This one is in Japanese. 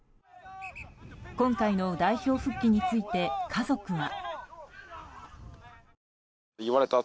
今回の代表復帰について家族は。